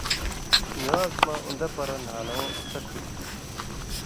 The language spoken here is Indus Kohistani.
نِوان٘ز مہ اُن٘دہ پرہ نھالُوں اڅھک ہُوئ تھُو۔